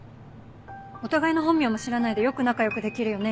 お互いの本名も知らないでよく仲良くできるよね